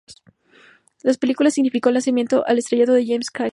La película significó el lanzamiento al estrellato de James Cagney.